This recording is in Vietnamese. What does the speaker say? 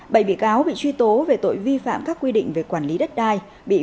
bảy bị cáo bị truy tố về tội vi phạm các quy định về quản lý đất đai